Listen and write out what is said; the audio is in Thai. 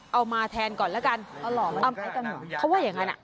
เอามาแทนก่อนละกัน